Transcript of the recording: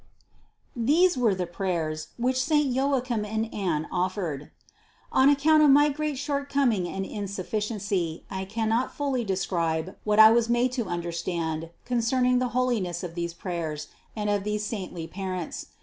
177. These were the prayers, which saint Joachim and Anne offered. On account of my great shortcom ing and insufficiency I cannot fully describe what I was made to understand concerning the holiness of these prayers and of these saintly parents.